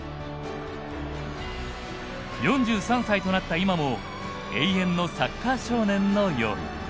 ４３歳となった今も永遠のサッカー少年のように。